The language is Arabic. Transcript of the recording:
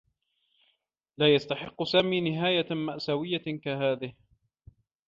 لا يستحقّ سامي نهاية مأساويّة كهذه.